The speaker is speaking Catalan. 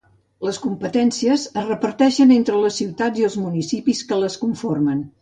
Les competències es reparteixen entre les ciutats i els municipis que les conformen.